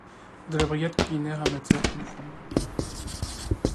De la brigade culinaire amateure que nous formons.